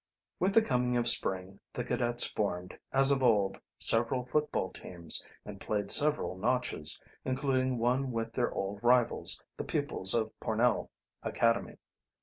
With the coming of spring the cadets formed, as of old, several football teams, and played several notches, including one with their old rivals, the pupils of Pornell Academy.